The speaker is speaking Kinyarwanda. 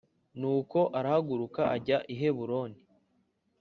Nuko arahaguruka ajya i Heburoni.